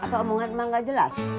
apa omongan emang gak jelas